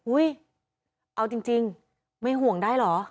เอาจริงไม่ห่วงได้เหรอ